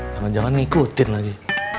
jangan jangan ngikutin lagi